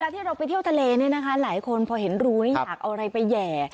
ที่เราไปเที่ยวทะเลเนี่ยนะคะหลายคนพอเห็นรูนี่อยากเอาอะไรไปแห่